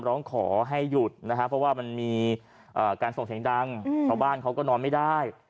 ร้องขอให้หยุดนะครับเพราะว่ามันมีการส่งเสียงดังชาวบ้านเขาก็นอนไม่ได้